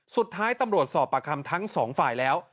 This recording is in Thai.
สุดท้ายตำรวจสอบประคำทั้งสองฝ่ายแล้ว